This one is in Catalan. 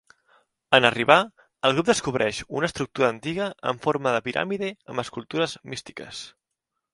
En arribar, el grup descobreix una estructura antiga amb forma de piràmide amb escultures místiques.